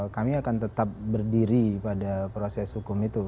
kami akan tetap berdiri pada proses hukum itu